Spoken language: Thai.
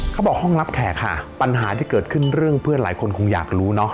ห้องรับแขกค่ะปัญหาที่เกิดขึ้นเรื่องเพื่อนหลายคนคงอยากรู้เนอะ